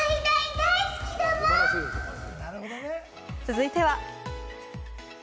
続いては。